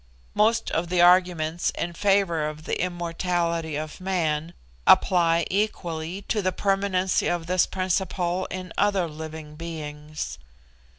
Most of the arguments in favour of the immortality of man apply equally to the permanency of this principle in other living beings.